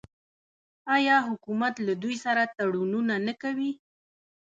آیا حکومت له دوی سره تړونونه نه کوي؟